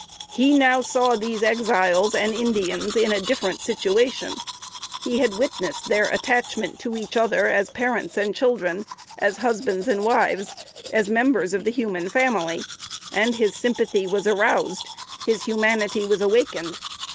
He now saw these Exiles and Indians in a different situation. He witnessed their attachment to each other as parents and children, as husbands and wives, as members of the human family, and his sympathy was aroused his humanity was awakened.